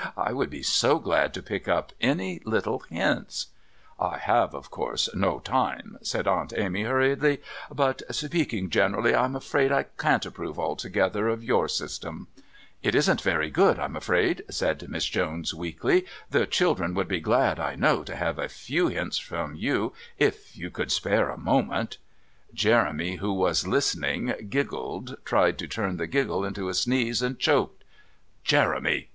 I would be so glad to pick up any little hints " "I have, of course, no time," said Aunt Amy hurriedly, "but, speaking generally, I am afraid I can't approve altogether of your system." "It isn't very good, I'm afraid," said Miss Jones weakly. "The children would be glad, I know, to have a few hints from you if you could spare a moment " Jeremy, who was listening, giggled, tried to turn the giggle into a sneeze and choked. "Jeremy!"